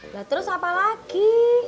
lah terus apa lagi